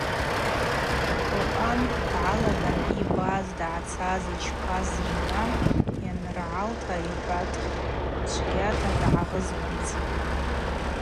Токъан дгӏалаган йбаз, дъацаз, йчпаз зымгӏва йаныргӏалта йхӏватӏ, чвгьата дгӏагъызуамца.